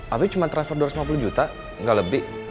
aku cuma transfer dua ratus lima puluh juta nggak lebih